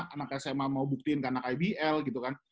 anak sma mau buktiin ke anak ibl gitu kan